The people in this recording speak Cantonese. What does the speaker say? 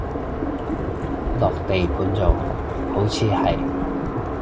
落地盤做，好似係